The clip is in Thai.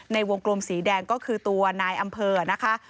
ในวงกลมสีแดงก็คือตัวนายอำเภอนะคะ